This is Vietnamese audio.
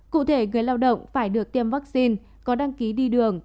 cụ thể người lao động phải được tiêm vaccine có đăng ký đi đường